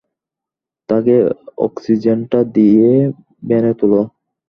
তাকে অক্সিজেনটা দিয়ে, ভ্যানে তোল।